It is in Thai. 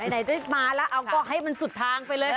ไหนได้มาแล้วเอาก็ให้มันสุดทางไปเลย